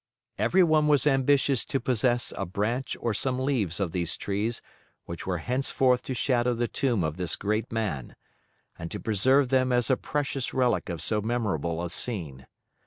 Every one was ambitious to possess a branch or some leaves of these trees which were henceforth to shadow the tomb of this great man, and to preserve them as a precious relic of so memorable a scene.